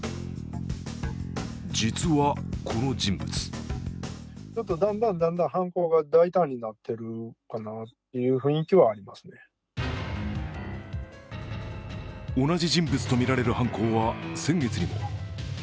実はこの人物同じ人物とみられる犯行は先月にも。